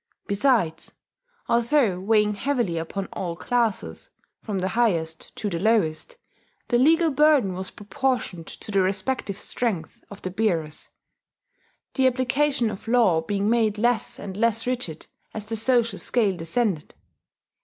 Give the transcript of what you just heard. Besides, although weighing heavily upon all classes, from the highest to the lowest, the legal burden was proportioned to the respective strength of the bearers; the application of law being made less and less rigid as the social scale descended.